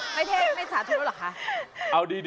ไม่เท่ไม่สาธุเหรอคะ